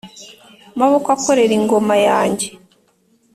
maboko akorera ingoma yanjye